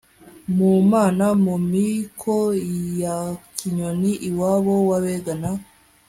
mu mana mu miko ya Kinyoni iwabo wAbega na